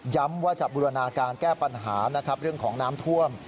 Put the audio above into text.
ย้ำว่าจะบริวณาการแก้ปัญหาเรื่องของน้ำท่วม